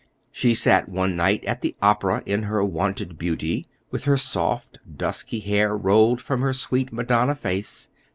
She sat one night at the opera in her wonted beauty, with her soft, dusky hair rolled from her sweet Madonna face.